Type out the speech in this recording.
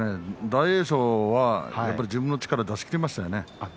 大栄翔は自分の力を出し切りましたよね。